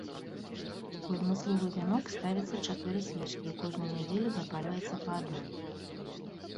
У адмысловы вянок ставіцца чатыры свечкі і кожную нядзелю запальваецца па адной.